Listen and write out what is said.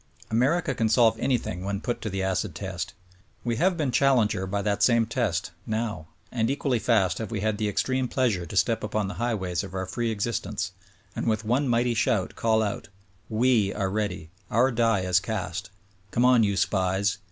America can solve anything when put to the acid test. We have been challenger by that same test, now ; and equally fast have we had the extreme pleasure to step upon the highways of our free existence and with one mighty shout, call out: WE are ready; our die is cast: Come on you SPIES!